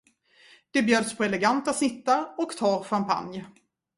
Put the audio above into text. Det bjöds på eleganta snittar och torr champagne.